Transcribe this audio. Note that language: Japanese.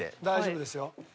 大丈夫ですよ。